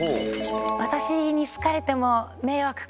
私に好かれても迷惑かな？